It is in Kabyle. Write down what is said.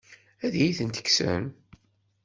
Ad iyi-ten-tekksem?